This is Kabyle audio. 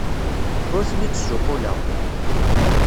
Ur ten-id-ssuqquleɣ.